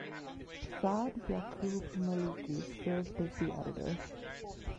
Saad Yaqoub Maliki served as the editor.